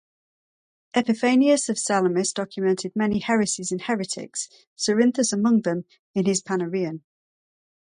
Epiphanius of Salamis documented many heresies and heretics, Cerinthus among them, in his Panarion.